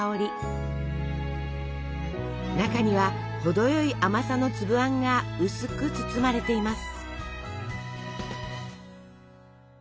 中には程よい甘さの粒あんが薄く包まれています。